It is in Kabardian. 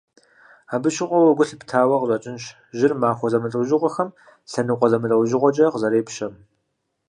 Абы щыгъуэ уэ гу лъыптауэ къыщӀэкӀынщ жьыр махуэ зэмылӀэужьыгъуэхэм лъэныкъуэ зэмылӀэужьыгъуэкӀэ къызэрепщэм.